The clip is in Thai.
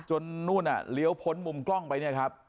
นู่นเลี้ยวพ้นมุมกล้องไปเนี่ยครับ